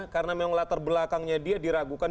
karena memang latar belakangnya dia diragukan